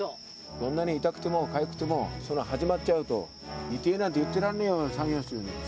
どんなに痛くても、かゆくても、始まっちゃうと、痛いなんて言ってらんないよ、作業してると。